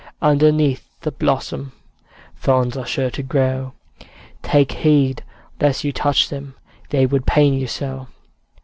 Underneath the blossom Thorns are sure to grow; Take heed lest you touch them, They would pain you so!